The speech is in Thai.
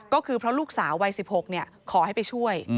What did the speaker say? ก็คือเพราะลูกสาววัย๑๖ขอให้ไปช่วย